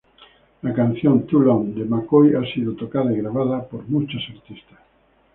La canción "Too Long" de McCoy ha sido tocada y grabada por muchos artistas.